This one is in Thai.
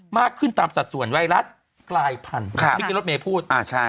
มากขึ้นตามสัดส่วนไวรัสกลายพันธุ์ครับพี่เกรียร์รถเมย์พูดอ่าใช่